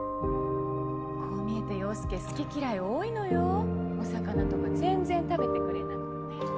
こう見えて陽佑好き嫌い多いのよお魚とか全然食べてくれなくて。ね？